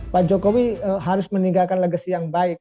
pak jokowi harus meninggalkan legacy yang baik